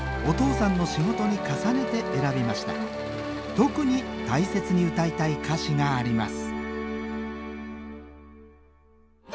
特に大切に歌いたい歌詞があります